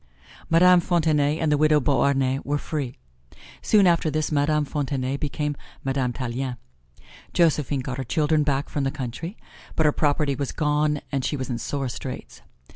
Madame Fontenay and the widow Beauharnais were free. Soon after this Madame Fontenay became Madame Tallien. Josephine got her children back from the country, but her property was gone and she was in sore straits.